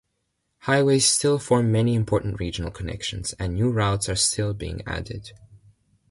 Highways still form many important regional connections, and new routes are still being added.